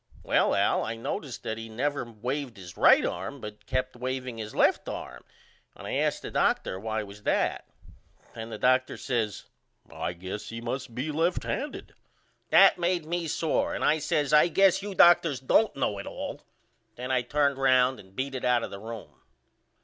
Well Al I noticed that he never waved his right arm but kept waveing his left arm and I asked the Dr. why was that. Then the Dr. says I guess he must be left handed. That made me sore and I says I guess you doctors don't know it all. And then I turned round and beat it out of the room.